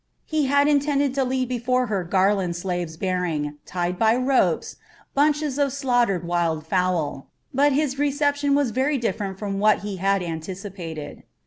He had intended to lead before her garlanded slaves bearing, tied by ropes, bunches of slaughtered wild fowl, but his reception was very different from what he had anticipated.